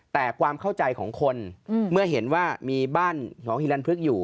แต่ความเข้าใจของคนเมื่อเห็นว่ามีบ้านของฮิลันพึกอยู่